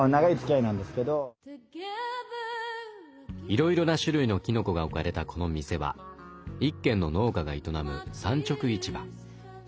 いろいろな種類のきのこが置かれたこの店は１軒の農家が営む産直市場。